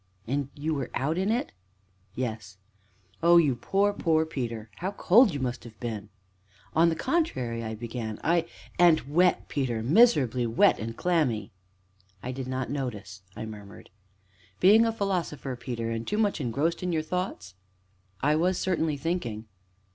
"And you were out in it?" "Yes." "Oh, you poor, poor Peter! How cold you must have been!" "On the contrary," I began, "I " "And wet, Peter miserably wet and clammy!" "I did not notice it," I murmured. "Being a philosopher, Peter, and too much engrossed in your thoughts?" "I was certainly thinking."